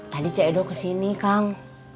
tadi cik edo kesini kang